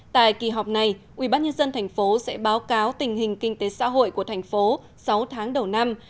tại kỳ họp này ubnd tp sẽ báo cáo tình hình kinh tế xã hội của thành phố sáu tháng đầu năm